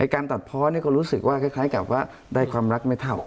การตัดเพาะก็รู้สึกว่าคล้ายกับว่าได้ความรักไม่เท่า